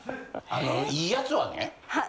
あのいいヤツはね。